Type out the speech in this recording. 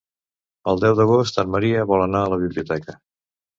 El deu d'agost en Maria vol anar a la biblioteca.